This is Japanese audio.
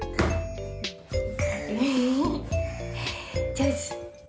上手。